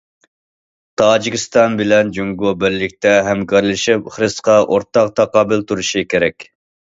تاجىكىستان بىلەن جۇڭگو بىرلىكتە ھەمكارلىشىپ، خىرىسقا ئورتاق تاقابىل تۇرۇشى كېرەك.